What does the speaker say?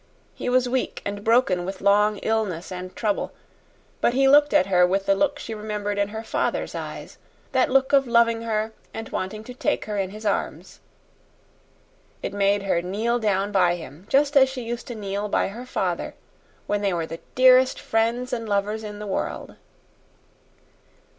He was weak and broken with long illness and trouble, but he looked at her with the look she remembered in her father's eyes that look of loving her and wanting to take her in his arms. It made her kneel down by him, just as she used to kneel by her father when they were the dearest friends and lovers in the world.